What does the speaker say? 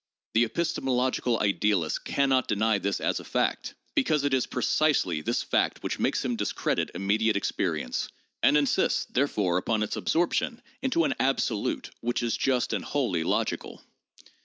The epis temological idealist can not deny this as a fact, because it is precisely this fact which makes him discredit immediate experience, and insist, therefore, upon its absorption into an 'absolute' which is just and wholly logical.